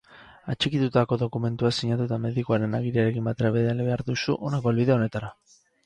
Atxikitutako dokumentua sinatu eta medikuaren agiriarekin batera bidali behar duzu honako helbide honetara.